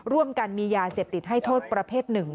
ร่วมกันมียาเสพติดให้โทษประเภทหนึ่ง